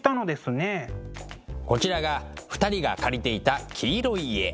こちらが２人が借りていた黄色い家。